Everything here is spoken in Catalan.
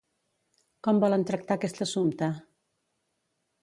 Com volen tractar aquest assumpte?